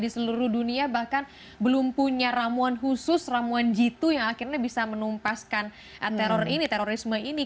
di seluruh dunia bahkan belum punya ramuan khusus ramuan jitu yang akhirnya bisa menumpaskan teror ini terorisme ini